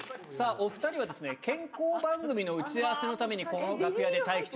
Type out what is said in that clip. お２人はですね、健康番組の打ち合わせのために、この楽屋で待機中。